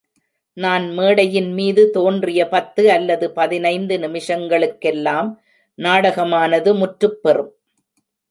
நான் மேடையின்மீது தோன்றிய பத்து அல்லது பதினைந்து நிமிஷங்களுக்கெல்லாம் நாடகமானது முற்றுப் பெறும்!